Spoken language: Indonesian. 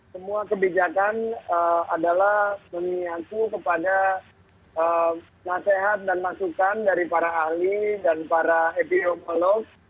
semua kebijakan adalah memiliki nasihat dan maksudkan dari para ahli dan para epidemiolog